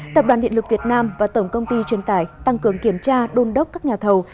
tập đoàn điện lực việt nam và tổng công ty truyền tải tăng cường kiểm tra đôn đốc các nhà thầu